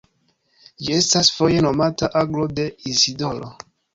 Ĝi estas foje nomata Aglo de Isidoro.